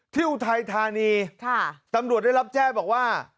อุทัยธานีตำรวจได้รับแจ้งบอกว่า